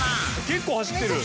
結構走ってる！